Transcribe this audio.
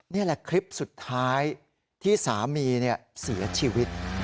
นี่แหละคลิปสุดท้ายที่สามีเสียชีวิต